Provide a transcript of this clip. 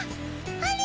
あれ？